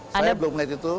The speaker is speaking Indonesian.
saya belum melihat itu